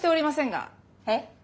えっ？